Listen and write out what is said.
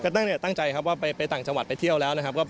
ก็ตั้งใจครับว่าไปต่างจังหวัดไปเที่ยวแล้วนะครับ